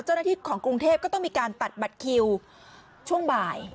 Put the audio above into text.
เจ้าหน้าที่ของกรุงเทพก็ต้องมีการตัดบัตรคิวช่วงบ่าย